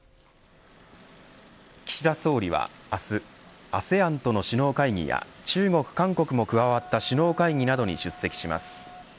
岸田総理は明日ＡＳＥＡＮとの首脳会議や中国、韓国も加わった首脳会議などに出席します。